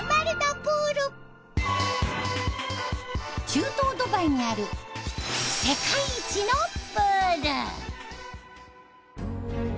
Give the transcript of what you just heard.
中東ドバイにある世界一のプール。